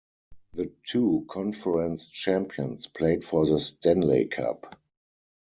The two Conference Champions played for the Stanley Cup.